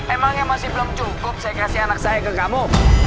emangnya masih belum cukup saya kasih anak saya ke kamu